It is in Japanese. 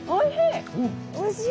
おいしい！